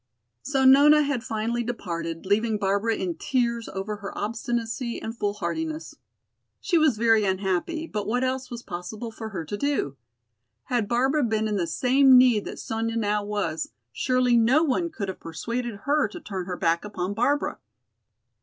So Nona had finally departed, leaving Barbara in tears over her obstinacy and foolhardiness. She was very unhappy, but what else was possible for her to do? Had Barbara been in the same need that Sonya now was, surely no one could have persuaded her to turn her back upon Barbara.